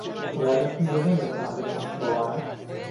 یارمەتیم دەدەن لە چاندنی ئەم تۆوانە؟